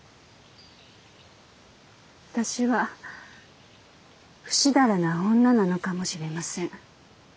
私はふしだらな女なのかもしれません。